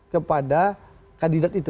kepada kandidat itu